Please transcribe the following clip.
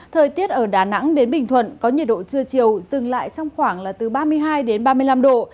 thời tiết ở đà nẵng đến bình thuận có nhiệt độ trưa chiều dừng lại trong khoảng là từ ba mươi hai đến ba mươi năm độ